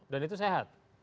dan itu sehat